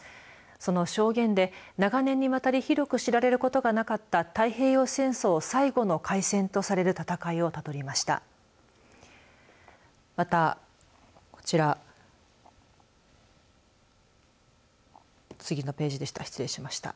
その証言で長年にわたり広く知られることがなかった太平洋戦争最後の海戦とされる戦いをたどりました。